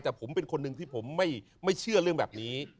แต่ผมเป็นคนหนึ่งที่ผมไม่เชื่อเรื่องแบบนี้